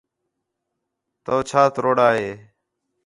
تُو چھا تروڑا ہے